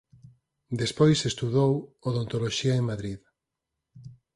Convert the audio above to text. Despois estudou Odontoloxía en Madrid.